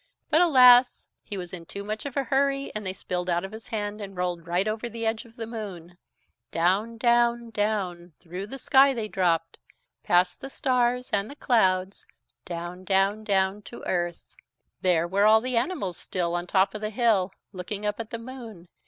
But alas! he was in too much of a hurry, and they spilled out of his hand and rolled right over the edge of the moon. Down, down, down, through the sky they dropped, past the stars and the clouds, down, down, down to the earth. There were all the animals still, on the top of the hill, looking up at the moon.